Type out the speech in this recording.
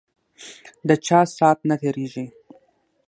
ده چا سات نه تیریږی